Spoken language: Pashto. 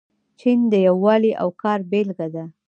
چین د یووالي او کار بیلګه ده.